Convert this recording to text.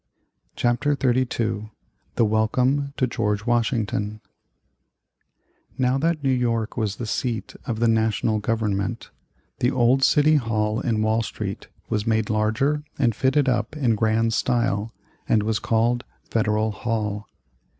CHAPTER XXXII THE WELCOME to GEORGE WASHINGTON Now that New York was the seat of the national government, the old City Hall in Wall Street was made larger and fitted up in grand style and was called Federal Hall.